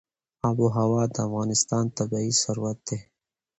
آب وهوا د افغانستان طبعي ثروت دی.